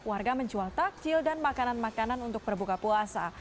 warga menjual takjil dan makanan makanan untuk berbuka puasa